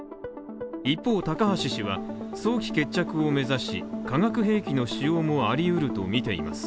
一方高橋氏は早期決着を目指し、化学兵器の使用もありうると見ています。